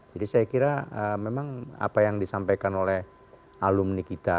jadi saya kira memang apa yang disampaikan oleh alumni kita